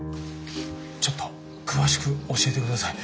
ちょっと詳しく教えて下さい。